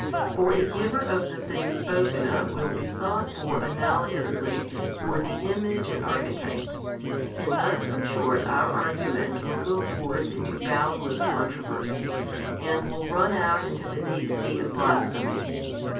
For a giver of the things spoken of will be sought for analogously for the Image and Archetype, and thus in short our argument will go forth into boundless controversy, and will run out into the deep sea of blasphemy.